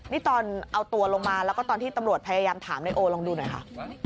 นี่ตอนเอาตัวลงมาแล้วก็ตอนที่ตำรวจพยายามถามนายโอลองดูหน่อยค่ะ